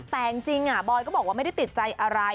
แต่จริงบอยก็บอกว่าไม่ได้ติดใจอะไร